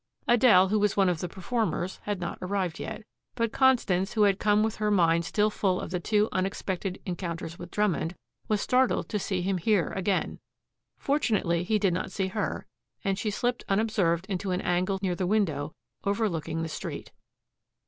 Adele, who was one of the performers, had not arrived yet, but Constance, who had come with her mind still full of the two unexpected encounters with Drummond, was startled to see him here again. Fortunately he did not see her, and she slipped unobserved into an angle near the window overlooking the street.